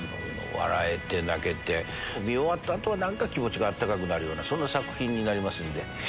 笑えて泣けて見終わった後は何か気持ちが温かくなるようなそんな作品になりますんで。